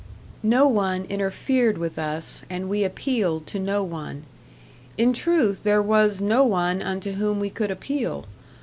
No one interfered with us, and we appealed to no one. In truth, there was no one unto whom we could appeal.